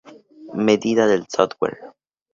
Medida del Software.